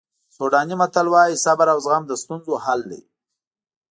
سوډاني متل وایي صبر او زغم د ستونزو حل دی.